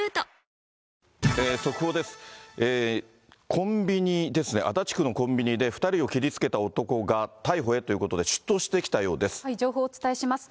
コンビニですね、足立区のコンビニで２人を切りつけた男が逮捕へということで、情報をお伝えします。